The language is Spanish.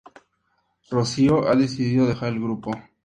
Rocío ha decidido dejar el grupo.